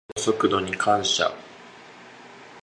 カメの速度に感謝の日。